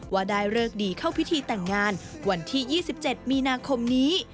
ว่าได้เลิกดีเข้าพิธีแต่งงานวันที่๒๗มีนาคมนี้